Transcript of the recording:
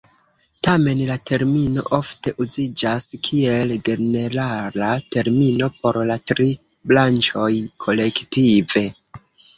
Tamen, la termino ofte uziĝas kiel ĝenerala termino por la tri branĉoj kolektive.